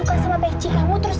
eh mana dari kamu itu sih